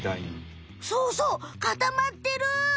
そうそう固まってる！